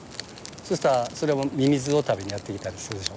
そしたらミミズを食べにやって来たりするでしょ。